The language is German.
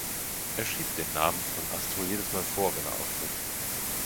Er schiebt den Namen von Astro jedes Mal vor, wenn er auftritt.